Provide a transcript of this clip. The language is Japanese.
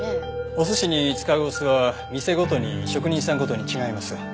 お寿司に使うお酢は店ごとに職人さんごとに違います。